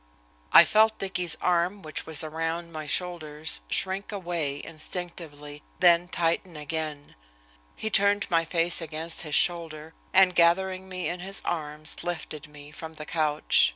I felt Dicky's arm which was around my shoulders shrink away instinctively, then tighten again. He turned my face against his shoulder, and, gathering me in his arms, lifted me from the couch.